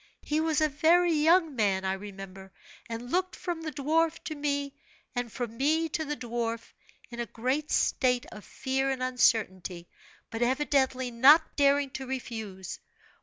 He was a very young man, I remember, and looked from the dwarf to me, and from me to the dwarf, in a great state of fear and uncertainty, but evidently not daring to refuse.